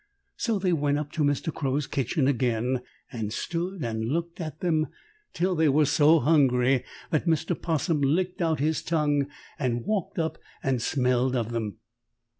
So they went up to Mr. Crow's kitchen again and stood and looked at them till they were so hungry that Mr. 'Possum licked out his tongue and walked up and smelled of them.